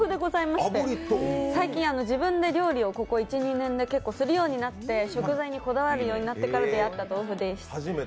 最近、自分で料理をここ１２年でするようになって食材にこだわるようになってからであった豆腐です。